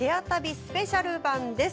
スペシャル版です。